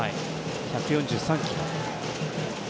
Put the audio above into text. １４３キロ。